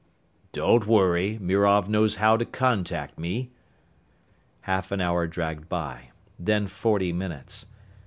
"Don't worry. Mirov knows how to contact me." Half an hour dragged by then forty minutes.